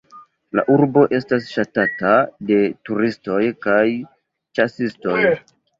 La urbo estas ŝatata de turistoj kaj ĉasistoj.